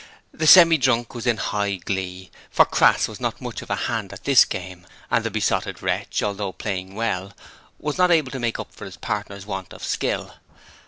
The Semi drunk was in high glee, for Crass was not much of a hand at this game, and the Besotted Wretch, although playing well, was not able to make up for his partner's want of skill.